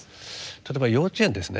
例えば幼稚園ですね